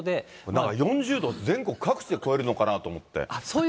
だから４０度、全国各地で超えるのかなと思って。